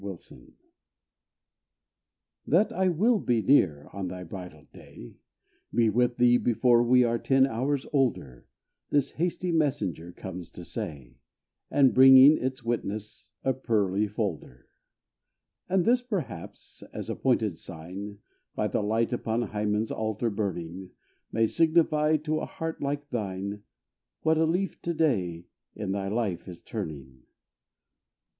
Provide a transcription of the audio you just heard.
ON HER WEDDING DAY. That I will "be near" on thy "bridal day" Be with thee before we are ten hours older, This hasty messenger comes to say, And bringing its witness, a pearly folder. And this, perhaps, as a pointed sign, By the light upon Hymen's altar burning, May signify, to a heart like thine, "What a leaf to day in thy life is turning!"